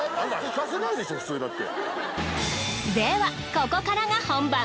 ではここからが本番。